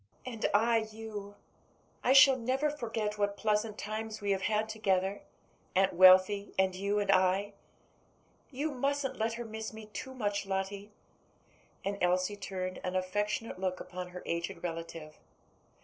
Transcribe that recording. "And I you. I shall never forget what pleasant times we have had together; Aunt Wealthy and you and I. You musn't let her miss me too much, Lottie." And Elsie turned an affectionate look upon her aged relative.